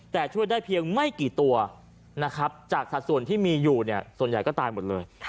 แต่ช่วยได้เพียงไม่กี่ตัวจากสัตว์ส่วนที่มีอยู่ส่วนใหญ่ก็ตายหมดเลย